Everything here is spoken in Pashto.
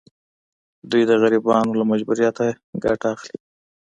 دوی د غریبانو له مجبوریت ګټه اخلي.